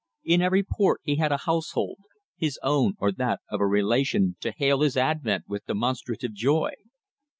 In every port he had a household his own or that of a relation to hail his advent with demonstrative joy.